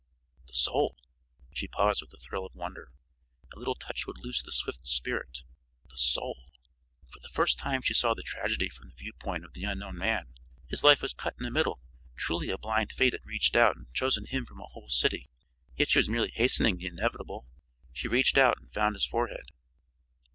The soul! She paused with a thrill of wonder. A little touch would loose the swift spirit. The soul! For the first time she saw the tragedy from the viewpoint of the unknown man. His life was cut in the middle; truly a blind fate had reached out and chosen him from a whole city. Yet she was merely hastening the inevitable. She reached out and found his forehead.